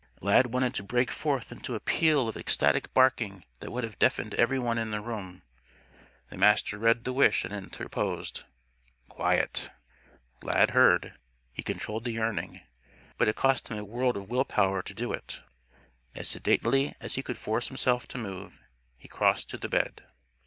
Lad wanted to break forth into a peal of ecstatic barking that would have deafened every one in the room. The Master read the wish and interposed, "Quiet!" Lad heard. He controlled the yearning. But it cost him a world of will power to do it. As sedately as he could force himself to move, he crossed to the bed.